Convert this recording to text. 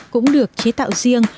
cũng được chế tạo riêng